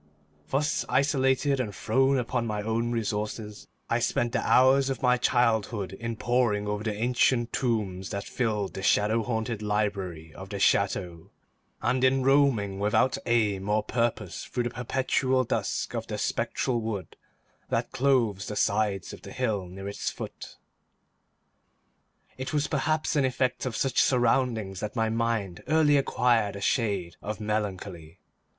Thus isolated, and thrown upon my own resources, I spent the hours of my childhood in poring over the ancient tomes that filled the shadow haunted library of the chateau, and in roaming without aim or purpose through the perpetual dusk of the spectral wood that clothes the sides of the hill near its foot. It was perhaps an effect of such surroundings that my mind early acquired a shade of melancholy.